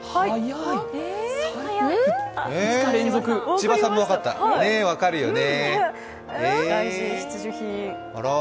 千葉さんも分かった、ねぇ、分かるよね。